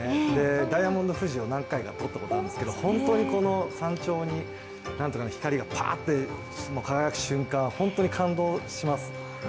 ダイヤモンド富士を何回か撮ったことあるんですけど本当に山頂に光がパッと輝く瞬間、本当に感動します。